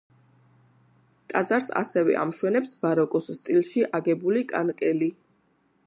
ტაძარს ასევე ამშვენებს ბაროკოს სტილში აგებული კანკელი.